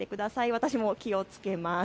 私も気をつけます。